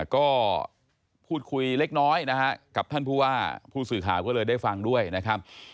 ก็พูดคุยเล็กน้อยนะฮะกับท่านผู้ว่าผู้สื่อข่าวก็เลยได้ฟังด้วยนะครับ